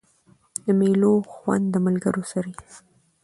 د مېلو خوند د ملګرو سره يي.